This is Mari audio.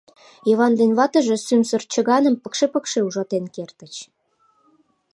Йыван ден ватыже сӱмсыр чыганым пыкше-пыкше ужатен кертыч.